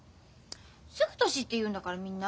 すぐ年って言うんだからみんな。